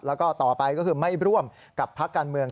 แล้วก็ต่อไปก็คือไม่ร่วมกับพักการเมือง